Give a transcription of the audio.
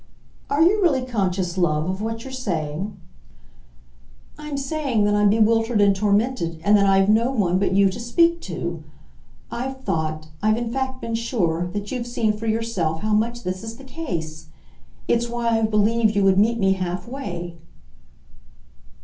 "Are you really conscious, love, of what you're saying?" "I'm saying that I'm bewildered and tormented, and that I've no one but you to speak to. I've thought, I've in fact been sure, that you've seen for yourself how much this is the case. It's why I've believed you would meet me half way."